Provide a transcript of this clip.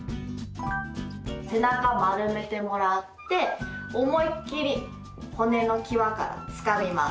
背中を丸めてもらって思いっきり骨の際からつかみます。